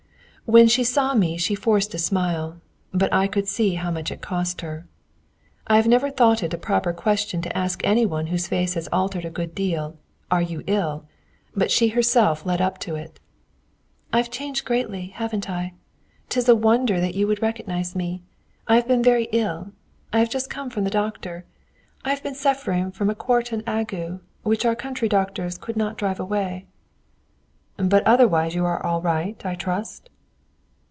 When she saw me she forced a smile, but I could see how much it cost her. I have never thought it a proper question to ask any one whose face has altered a good deal, "Are you ill?" but she herself led up to it. "I have greatly changed, haven't I? 'Tis a wonder that you recognise me. I have been very ill. I have just come from the doctor. I have been suffering from a quartan ague, which our country doctors could not drive away." "But otherwise you are all right, I trust?"